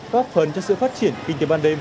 góp phần cho sự phát triển kinh tế ban đêm